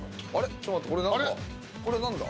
ちょっと待ってこれなんだ？